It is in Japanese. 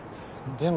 でも。